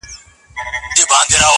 دا اوبه اورونو کي راونغاړه